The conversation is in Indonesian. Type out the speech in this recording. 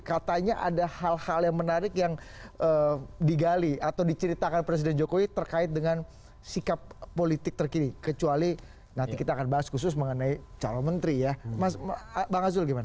katanya ada hal hal yang menarik yang digali atau diceritakan presiden jokowi terkait dengan sikap politik terkini kecuali nanti kita akan bahas khusus mengenai calon menteri ya bang azul gimana